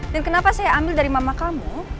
dan kenapa saya ambil dari mama kamu